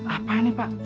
apa ini pak